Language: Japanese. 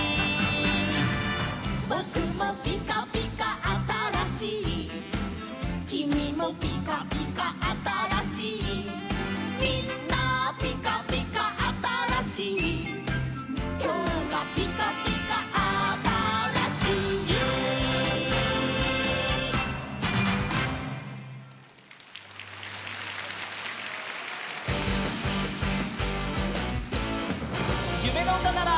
「ぼくもぴかぴかあたらしい」「きみもぴかぴかあたらしい」「みんなぴかぴかあたらしい」「きょうがぴかぴかあたらしい」「ゆめのうたなら」